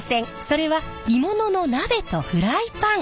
それは鋳物の鍋とフライパン！